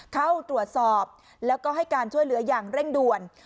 เข้าตรวจสอบแล้วก็ให้การช่วยเหลืออย่างเร่งด่วน